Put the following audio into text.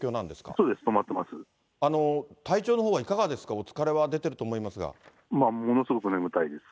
そうです、体調のほうはいかがですか、まあ、ものすごく眠たいです。